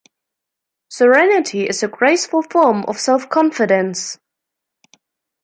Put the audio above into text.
Serenity is a graceful form of self-confidence.